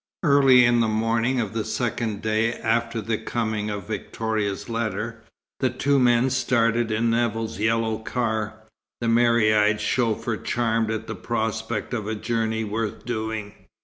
Early in the morning of the second day after the coming of Victoria's letter, the two men started in Nevill's yellow car, the merry eyed chauffeur charmed at the prospect of a journey worth doing.